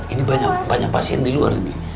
ini banyak pasien di luar ini